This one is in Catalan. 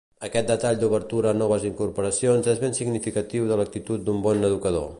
Aquest detall d'obertura a noves incorporacions és ben significatiu de l'actitud d'un bon educador.